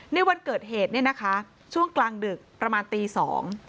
ในวันเกิดเหตุช่วงกลางดึกประมาณตี๒น